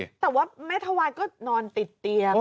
แต่ว่าแม่ทวายก็นอนติดเตียง